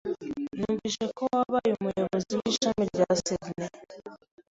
Numvise ko wabaye umuyobozi w'ishami rya Sydney.